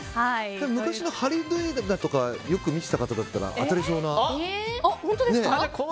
昔のハリウッド映画とかよく見てた方だったら当たりそうな。